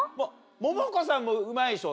モモコさんもうまいでしょ？